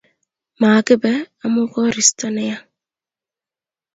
makibe omu koristo neya